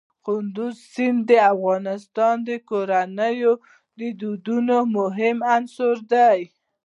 کندز سیند د افغان کورنیو د دودونو مهم عنصر دی.